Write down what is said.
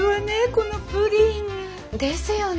このプリン！ですよね！